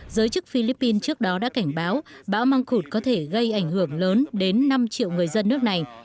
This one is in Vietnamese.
giới chức philippines trước đó đã cảnh báo bão măng khuột có thể gây ảnh hưởng lớn đến năm triệu người dân nước này